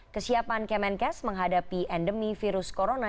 kesiapan kemenkes menghadapi endemi virus corona